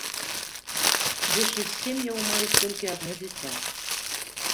Большасць сем'яў маюць толькі адно дзіця.